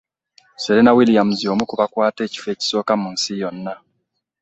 Serena Williams y'omu ku bakwata ekifo ekisooka mu nsi yonna.